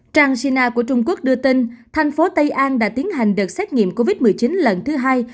trang sina của trung quốc đưa tin thành phố tây an đã tiến hành đợt xét nghiệm covid một mươi chín lần thứ hai